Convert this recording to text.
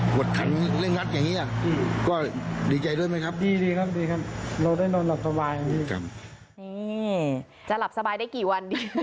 ฟังเสียงชาวบ้านหน่อยค่ะ